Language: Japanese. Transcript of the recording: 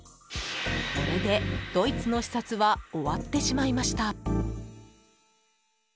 これでドイツの視察は終わってしまいました。